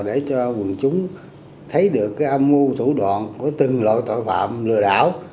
để cho quần chúng thấy được cái âm mưu thủ đoạn của từng loại tội phạm lừa đảo